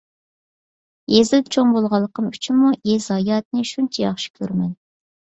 يېزىدا چوڭ بولغانلىقىم ئۈچۈنمۇ يېزا ھاياتىنى شۇنچە ياخشى كۆرىمەن.